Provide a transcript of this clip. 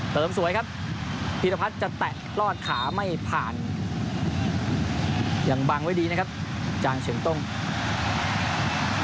เติมสวยครับพีทภัทรจะแตะรอดขาไม่ผ่านยังบังไว้ดีนะครับจางเฉียงต้ม